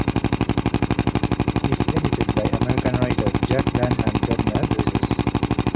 It is edited by American writers Jack Dann and Gardner Dozois.